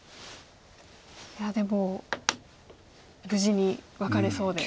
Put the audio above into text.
いやでも無事にワカれそうで。